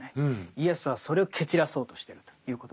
イエスはそれを蹴散らそうとしてるということですね。